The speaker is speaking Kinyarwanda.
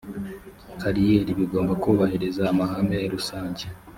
kariyeri bigomba kubahiriza amahame rusange